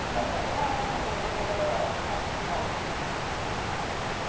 耐えられないかもしれないけどはい。